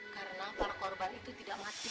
karena para korban itu tidak mati